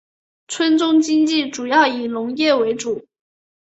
村中经济主要以农业为主。